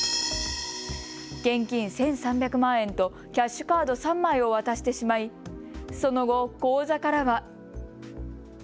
現金１３００万円とキャッシュカード３枚を渡してしまいその後、口座からは。